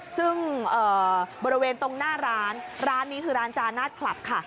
ซึ่งบริเวณตรงหน้าร้านร้านนี้คือร้านจานาศคลับค่ะ